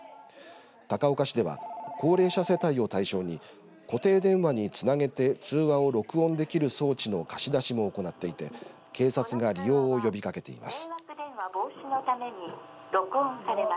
高岡市では高齢者世帯を対象に固定電話につなげて通話を録音できる装置の貸し出しも行っていて警察が利用を呼びかけています。